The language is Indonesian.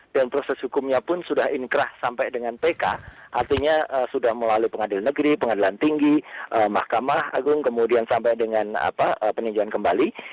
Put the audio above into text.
dan proses hukumnya pun sudah inkrah sampai dengan pk artinya sudah melalui pengadil negeri pengadilan tinggi mahkamah agung kemudian sampai dengan peninjauan kembali